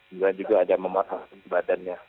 juga juga ada mematang badannya